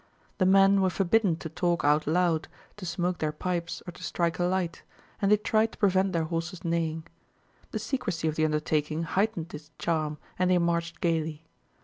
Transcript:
The men were forbidden to talk out loud, to smoke their pipes, or to strike a light, and they tried to prevent their horses neighing. The secrecy of the undertaking heightened its charm and they marched gaily.